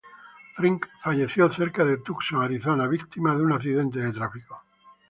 Frink falleció cerca de Tucson, Arizona, víctima de un accidente de tráfico.